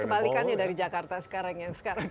kebalikannya dari jakarta sekarang ya